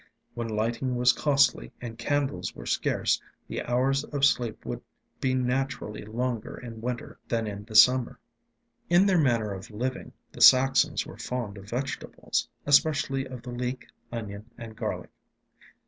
When lighting was costly and candles were scarce, the hours of sleep would be naturally longer in winter than in the summer. In their manner of living the Saxons were fond of vegetables, especially of the leek, onion, and garlic.